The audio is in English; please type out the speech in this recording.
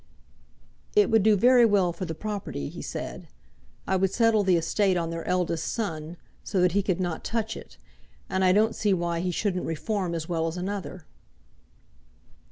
"It would do very well for the property," he said. "I would settle the estate on their eldest son, so that he could not touch it; and I don't see why he shouldn't reform as well as another."